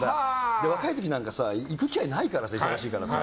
若い時なんか行く機会ないからさ忙しいからさ。